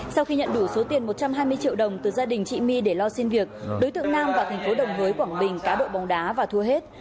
sau khi nhận đủ số tiền một trăm hai mươi triệu đồng từ gia đình chị my để lo xin việc đối tượng nam vào thành phố đồng hới quảng bình cá độ bóng đá và thua hết